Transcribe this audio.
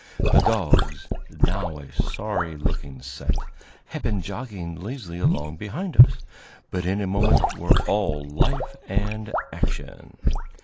The dogs, now a sorry looking set, had been jogging lazily along behind us, but in a moment were all life and action.